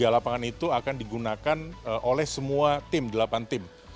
tiga lapangan itu akan digunakan oleh semua tim delapan tim